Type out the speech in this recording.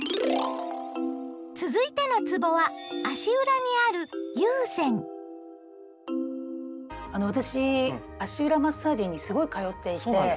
続いてのつぼは足裏にあるあの私足裏マッサージにすごい通っていて。